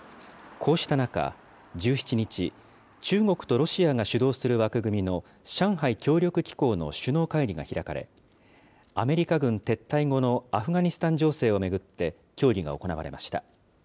こうした中、１７日、中国とロシアが主導する枠組みの上海協力機構の首脳会議が開かれ、アメリカ軍撤退後のアフガニスタン情勢を巡って協議が行われました。